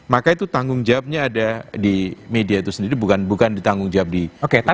maka itu tanggung jawabnya ada di media itu sendiri bukan ditanggung jawab di undang undang pers